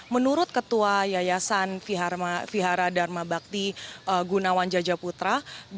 menurut ketua yayasan vihara dharma bakti gunawan jajaputra